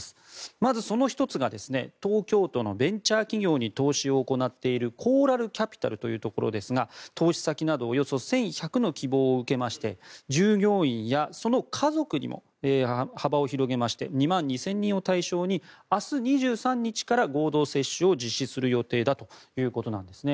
まず、その１つが東京都のベンチャー企業に投資を行っているコーラル・キャピタルというところですが投資先などおよそ１１００の希望を受けまして従業員やその家族にも幅を広げまして２万２０００人を対象に明日２３日から合同接種を実施する予定だということなんですね。